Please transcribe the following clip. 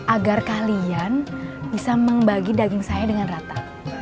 agar kalian bisa membagi daging saya dengan rata